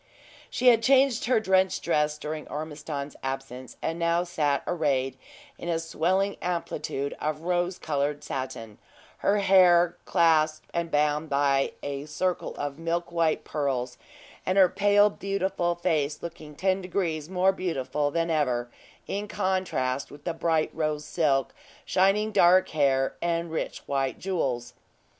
She had changed her drenched dress during Ormiston's absence, and now sat arrayed in a swelling amplitude of rose colored satin, her dark hair clasped and bound by a circle of milk white pearls, and her pale, beautiful face looking ten degrees more beautiful than ever, in contrast with the bright rose silk, shining dark hair, and rich white jewels.